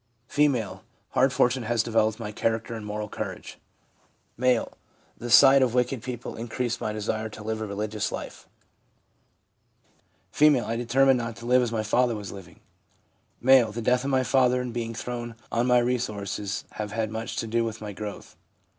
F. ' Hard fortune has developed my character and moral courage.' M. 'The sight of wicked people increased my desire to live a religious life.' 296 THE PSYCHOLOGY OF RELIGION F. ' I determined not to live as my father was living.' M. • The death of my father and being thrown on my own resources have had much to do with my growth/ M.